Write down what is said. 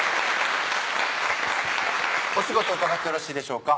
お仕事伺ってよろしいでしょうか